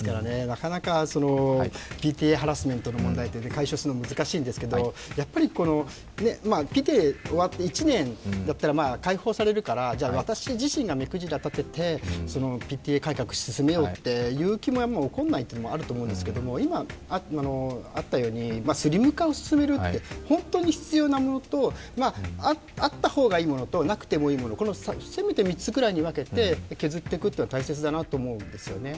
なかなかＰＴＡハラスメントの問題を解消することは難しいんですけれどもＰＴＡ、１年だったら解放されるから、私自身が目くじら立ててＰＴＡ改革進めようという気も起こらないというのもあると思うんですけど、今あったようにスリム化を進めるって本当に必要なものと、あった方がいいものとなくてもいいもの、せめて３つぐらいに分けて削っていくのは大切だなと思うんですね。